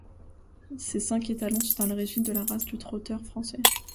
Ces cinq étalons sont à l'origine de la race du trotteur français.